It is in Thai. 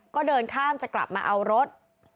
ก็เดินข้ามจะกลับมาเอารถ